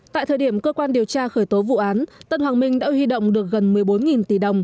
tại thời điểm cơ quan điều tra khởi tố vụ án tân hoàng minh đã huy động được gần một mươi bốn tỷ đồng